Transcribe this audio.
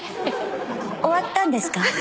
終わったんですか？